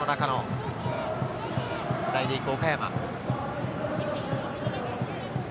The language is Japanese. つないでいく岡山。